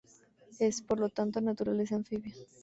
Es, por lo tanto, de naturaleza anfibia.